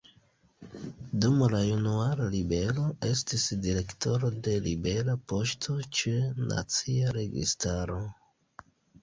Dum la Januara ribelo estis direktoro de ribela poŝto ĉe Nacia Registaro.